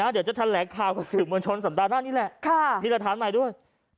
เดี๋ยวจะทันแหลกข่าวกับสื่อมวลชนสำหรับหน้านี้แหละค่ะมีหลักฐานใหม่ด้วย